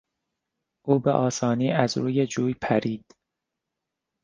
او به آسانی از روی جوی پرید.